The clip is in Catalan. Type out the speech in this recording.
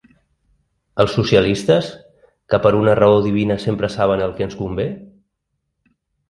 Els socialistes, que per una raó divina sempre saben el que ens convé?